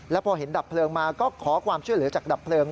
แล้วพอเห็นดับเพลิงมาก็ขอความช่วยเหลือจากดับเพลิง